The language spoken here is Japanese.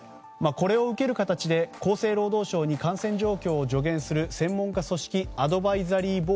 これを受ける形で厚生労働省に感染状況を助言する専門家組織アドバイザリー